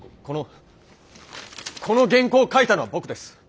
ここのこの原稿を書いたのは僕です。